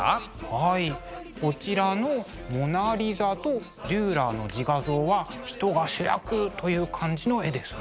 はいこちらの「モナ・リザ」とデューラーの「自画像」は人が主役という感じの絵ですね。